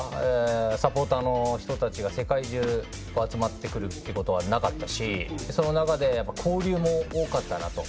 サポーターの人たちが世界中から集まってくることはなかったですしその中で、交流も多かったと。